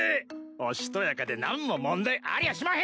おしとやかで何も問題ありゃしまへん。